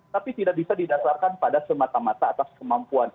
tapi tidak bisa didasarkan pada semata mata atas kemampuan